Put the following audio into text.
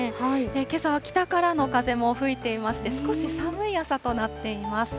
けさは北からの風も吹いていまして、少し寒い朝となっています。